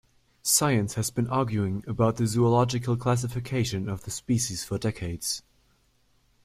Science has been arguing about the zoological classification of the species for decades.